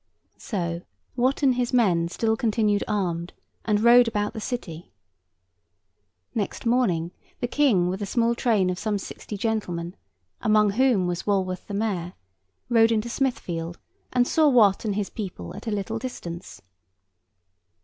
So, Wat and his men still continued armed, and rode about the city. Next morning, the King with a small train of some sixty gentlemen—among whom was Walworth the Mayor—rode into Smithfield, and saw Wat and his people at a little distance.